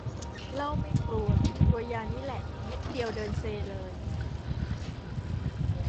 เหล้าไม่กลัว กลัวยานี่แหละ เม็ดเดียวเดินเซเลย